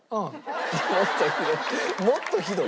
「もっとひどい」